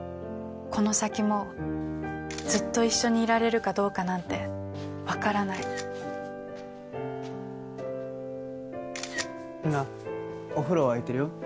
この先もずっと一緒にいられるかどうかなんてカシャ留奈お風呂沸いてるよ。